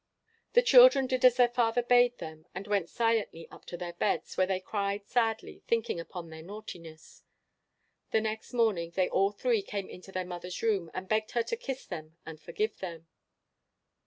The children did as their father bade them, and went silently up to their beds, where they cried sadly, thinking upon their naughtiness. The next morning they all three came into their mother's room, and begged her to kiss them and forgive them.